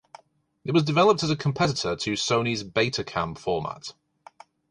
It was developed as a competitor to Sony's Betacam format.